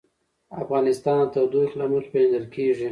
افغانستان د تودوخه له مخې پېژندل کېږي.